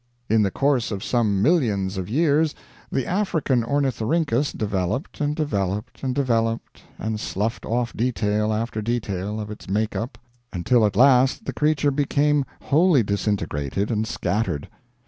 In the course of some millions of years the African Ornithorhynchus developed and developed and developed, and sluffed off detail after detail of its make up until at last the creature became wholly disintegrated and scattered.